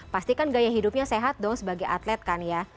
pastikan gaya hidupnya sehat dong sebagai atlet kan ya